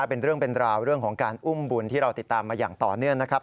เป็นเรื่องเป็นราวเรื่องของการอุ้มบุญที่เราติดตามมาอย่างต่อเนื่องนะครับ